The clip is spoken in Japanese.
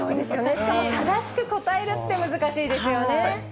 しかも正しく答えるって難しいですよね。